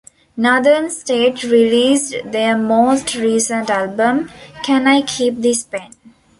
Northern State released their most recent album, Can I Keep This Pen?